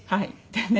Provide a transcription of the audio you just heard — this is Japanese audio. でね